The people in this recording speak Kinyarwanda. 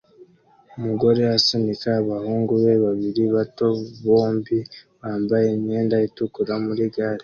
Umugore asunika abahungu be babiri bato bombi bambaye imyenda itukura muri gare